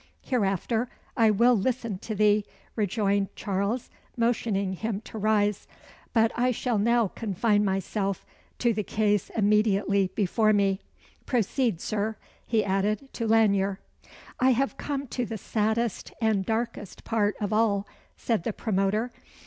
"Hereafter, I will listen to thee," rejoined Charles, motioning him to rise; "but I shall now confine myself to the case immediately before me. Proceed, Sir," he added, to Lanyere. "I have come to the saddest and darkest part of all," said the promoter.